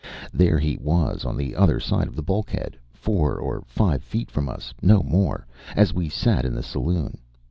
There he was on the other side of the bulkhead, four or five feet from us, no more, as we sat in the saloon.